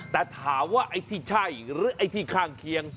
แต่ถามว่าไอ้ที่ใช่หรือไอ้ที่ข้างเคียง